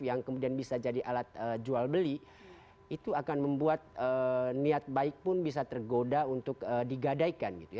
yang kemudian bisa jadi alat jual beli itu akan membuat niat baik pun bisa tergoda untuk digadaikan gitu ya